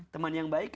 teman yang baik